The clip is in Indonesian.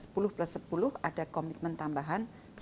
sepuluh plus sepuluh ada komitmen tambahan sepuluh